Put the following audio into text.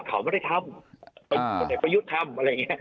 เขาไม่ได้ทำคนเด็กประยุทธ์ทำอะไรอย่างนี้